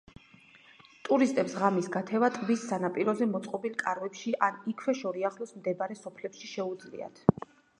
ტურისტებს ღამის გათევა ტბის სანაპიროზე მოწყობილ კარვებში ან იქვე შორიახლოს მდებარე სოფლებში შეუძლიათ.